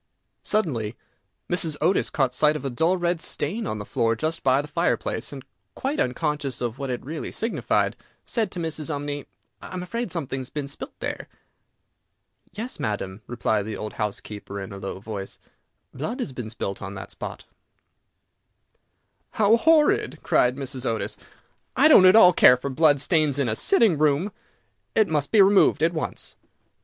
Suddenly Mrs. Otis caught sight of a dull red stain on the floor just by the fireplace, and, quite unconscious of what it really signified, said to Mrs. Umney, "I am afraid something has been spilt there." "Yes, madam," replied the old housekeeper in a low voice, "blood has been spilt on that spot." [Illustration: "BLOOD HAS BEEN SPILLED ON THAT SPOT"] "How horrid!" cried Mrs. Otis; "I don't at all care for blood stains in a sitting room. It must be removed at once."